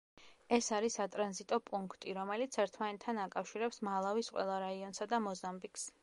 ეს არის სატრანზიტო პუნქტი, რომელიც ერთმანეთთან აკავშირებს მალავის ყველა რაიონსა და მოზამბიკს.